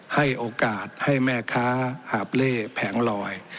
ให้โอกาสให้แม่ค้าหาบเล่แผงลอย